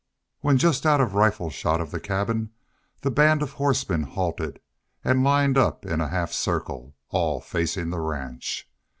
When just out of rifle shot of the cabins the band of horsemen halted and lined up in a half circle, all facing the ranch.